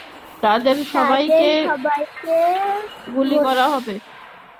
তোদের সবাইকে গুলি করা হবে!